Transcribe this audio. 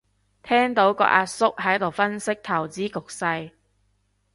聽到個阿叔喺度分析投資局勢